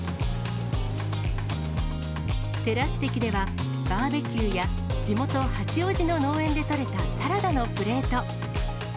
テラス席では、バーベキューや、地元、八王子の農園で取れたサラダのプレート。